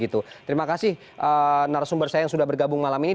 terima kasih narasumber saya yang sudah bergabung malam ini